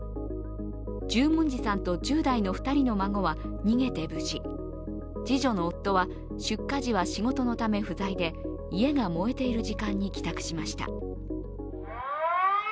十文字さんと１０代の２人の孫は逃げて無事、次女の夫は、出火時は仕事のため不在で、家が燃えている時間に帰宅しました。